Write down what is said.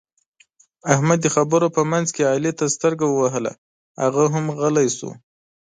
احمد د خبرو په منځ کې علي ته سترګه ووهله؛ هغه هم غلی شو.